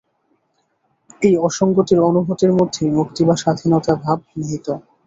এই অসঙ্গতির অনুভূতির মধ্যেই মুক্তি বা স্বাধীনতা ভাব নিহিত।